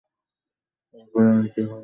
এরপরে আর কি হলো জানি না।